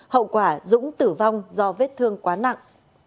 hậu quả dũng tử vong do vết thương quá nặng